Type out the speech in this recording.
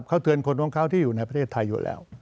เขาเตือนคนของเขาที่อยู่ในประเทศไทยอยู่แล้ว